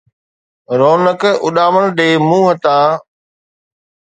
رونق اُڏامڻ ڏي منهن تان،